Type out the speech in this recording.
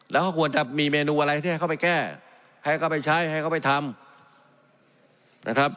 แล้วเขาควรจะมีเมนูอะไรที่ให้เขาไปแก้ให้เขาไปใช้ให้เขาไปทำนะครับ